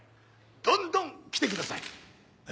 どんどん来てください。